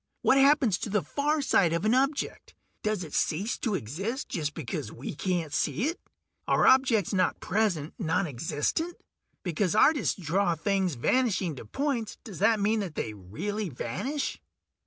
What happens to the far side of an object; does it cease to exist just because we can't see it? Are objects not present nonexistent? Because artists draw things vanishing to points, does that mean that they really vanish?"